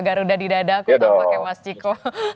garuda di dadaku pakai mas ciko